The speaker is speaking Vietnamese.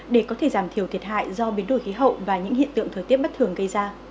để có thể giảm thiểu thiệt hại do biến đổi khí hậu và những hiện tượng thời tiết bất thường gây ra